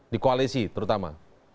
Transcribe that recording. di koalisi terutama